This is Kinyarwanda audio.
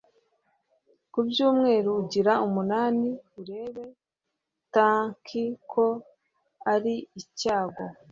Ku byumweru ugira umunani Urebe tanki ko ari icyago